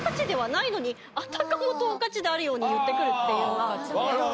のにあたかも等価値であるように言って来るっていうのが。